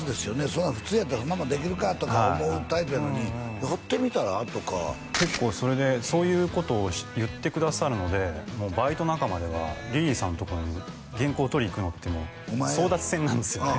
そんなの普通やったらそんなものできるかとか思うタイプやのにやってみたらとか結構それでそういうことを言ってくださるのでもうバイト仲間ではリリーさんところに原稿取りに行くのってもう争奪戦なんですよああ